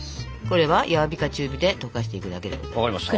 これは弱火か中火で溶かしていくだけです。